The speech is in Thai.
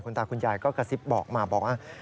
ตาคุณยายก็กระซิบบอกมาบอกว่า